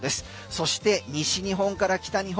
そして西日本から北日本